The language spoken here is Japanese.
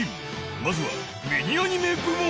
まずはミニアニメ部門